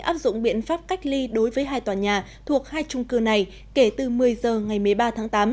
áp dụng biện pháp cách ly đối với hai tòa nhà thuộc hai trung cư này kể từ một mươi giờ ngày một mươi ba tháng tám